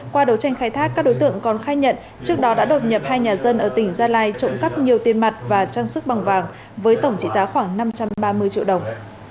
qua đấu tranh khai thác các đối tượng còn khai nhận trước đó đã đột nhập hai nhà dân ở tỉnh gia lai trộm cắp nhiều tiền mặt và trang sức bằng vàng với tổng trị giá khoảng năm trăm ba mươi triệu đồng